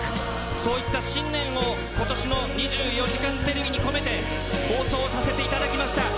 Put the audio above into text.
そういった信念を、ことしの２４時間テレビに込めて、放送させていただきました。